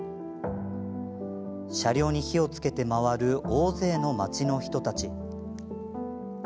車両に火をつけて回る大勢の町の人たち。